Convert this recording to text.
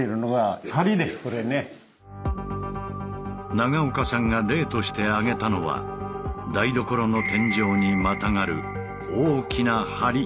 長岡さんが例として挙げたのは台所の天井にまたがる大きな梁。